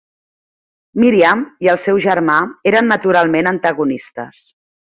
Miriam i el seu germà eren naturalment antagonistes.